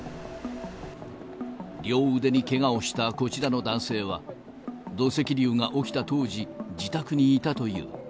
両腕にけがをしたこちらの男性は、土石流が起きた当時、自宅にいたという。